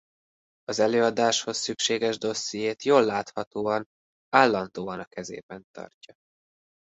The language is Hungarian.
Az előadásához szükséges dossziét jól láthatóan állandóan a kezében tartja.